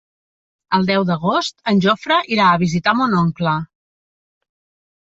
El deu d'agost en Jofre irà a visitar mon oncle.